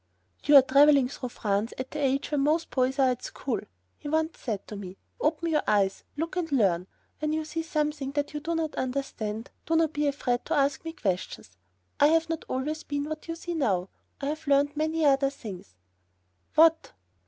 "You are traveling through France at the age when most boys are at school," he once said to me; "open your eyes, look and learn. When you see something that you do not understand, do not be afraid to ask me questions. I have not always been what you see me now. I have learnt many other things." "What?"